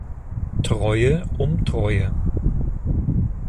Treue um Treue".